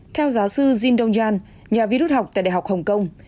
theo giáo sư jin dong jan nhà vi rút học tại đại học hồng kông